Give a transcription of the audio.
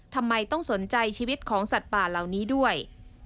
ทำไมต้องสนใจชีวิตของสัตว์ป่าเหล่านี้ด้วย